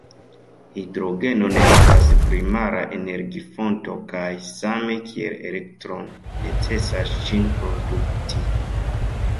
Hidrogeno ne estas primara energi-fonto, kaj same kiel elektron, necesas ĝin produkti.